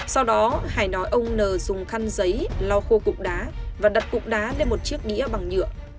sau đó hải nói ông n dùng khăn giấy lau khô cục đá và đặt cục đá lên một chiếc đĩa bằng nhựa